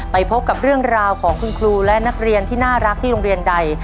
ไปพบกับเรื่องราวของคุณครูและนักเรียนที่น่ารักที่โรงเรียนใด